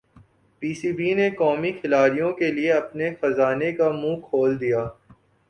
پی C B نے قومی کھلاڑیوں کیلئے اپنے خزانے کا منہ کھول دیا